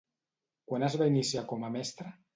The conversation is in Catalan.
Quan es va iniciar com a mestra?